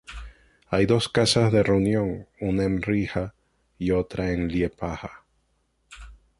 Hay dos casas de reunión, una en Riga y otra en Liepāja.